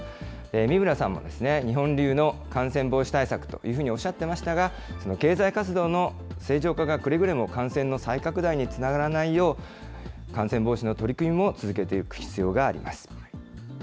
三村さんも、日本流の感染防止対策というふうにおっしゃってましたが、その経済活動の正常化がくれぐれも感染の再拡大につながらないよう、感染防止の取り組みも続けていく必要があります。